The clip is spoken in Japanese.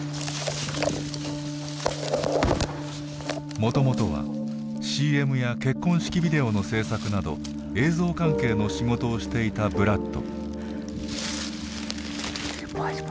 もともとはＣＭや結婚式ビデオの制作など映像関係の仕事をしていたブラッド。